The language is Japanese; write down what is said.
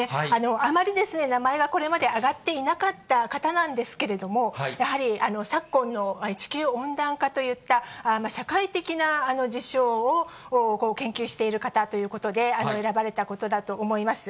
あまり名前がこれまで上がっていなかった方なんですけれども、やはり昨今の地球温暖化といった社会的な事象を研究している方ということで、選ばれたことになります。